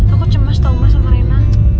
aku cemas tau gak sama rena